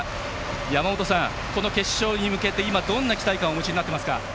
山本さん、この決勝に向けて今どんな期待感をお持ちになっていますか？